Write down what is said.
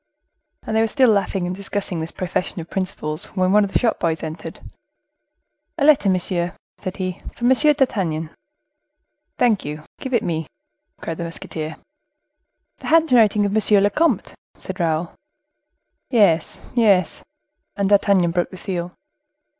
And they were still laughing and discussing this profession of principles, when one of the shop boys entered. "A letter, monsieur," said he, "for M. d'Artagnan." "Thank you; give it me," cried the musketeer. "The handwriting of monsieur le comte," said Raoul. "Yes, yes." And D'Artagnan broke the seal.